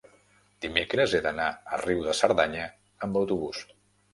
dimecres he d'anar a Riu de Cerdanya amb autobús.